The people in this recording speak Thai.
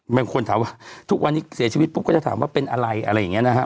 บางคนถามว่าทุกวันนี้เสียชีวิตปุ๊บก็จะถามว่าเป็นอะไรอะไรอย่างนี้นะฮะ